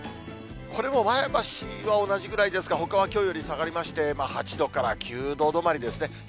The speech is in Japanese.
これも前橋は同じぐらいですが、ほかはきょうより下がりまして、８度から９度止まりですね。